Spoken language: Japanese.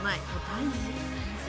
大事。